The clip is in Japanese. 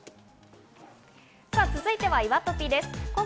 続いては、いわトピです。